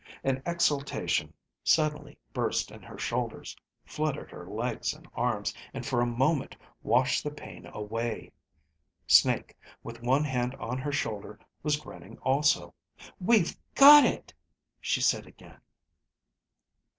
An exaltation suddenly burst in her shoulders, flooded her legs and arms and for a moment washed the pain away. Snake, with one hand on her shoulder, was grinning also. "We've got it!" she said again.